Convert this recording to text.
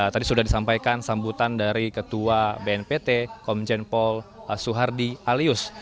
tadi sudah disampaikan sambutan dari ketua bnpt komjen pol suhardi alius